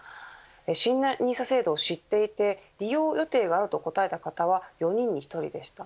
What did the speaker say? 新ＮＩＳＡ制度を知っていて利用予定があると答えた方は４人に１人でした。